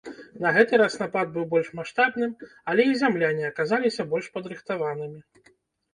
На гэты раз напад быў больш маштабным, але і зямляне аказаліся больш падрыхтаванымі.